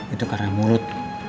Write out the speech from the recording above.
itu karena mulut